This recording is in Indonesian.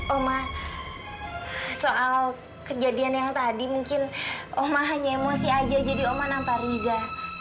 oma soal kejadian yang tadi mungkin oma hanya emosi aja jadi oman apa riza